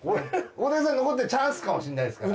大竹さん残ってチャンスかもしれないですから。